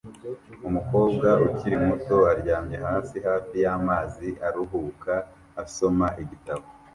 Umukobwa ukiri muto aryamye hasi hafi y’amazi aruhuka asoma igitabo